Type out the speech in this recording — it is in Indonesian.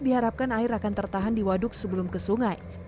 diharapkan air akan tertahan di waduk sebelum ke sungai